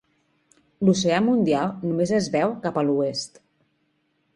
L'Oceà Mundial només es veu cap a l'oest.